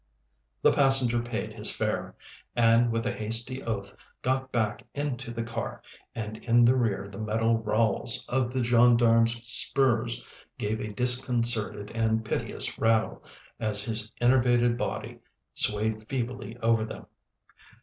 The passenger paid his fare, and with a hasty oath got back into the car, and in the rear the metal rowels of the gendarme's spurs gave a disconcerted and piteous rattle, as his enervated body swayed feebly over them.